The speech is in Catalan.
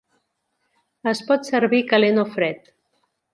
Es pot servir calent o fred.